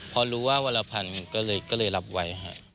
พอรู้ว่าวันละพันก็เลยรับไว้